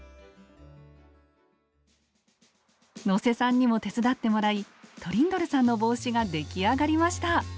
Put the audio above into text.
能勢さんにも手伝ってもらいトリンドルさんの帽子が出来上がりました！